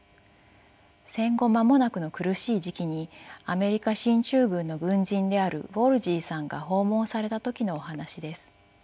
戦後間もなくの苦しい時期にアメリカ進駐軍の軍人であるウォールヂーさんが訪問された時のお話です。